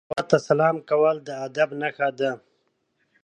هیواد ته سلام کول د ادب نښه ده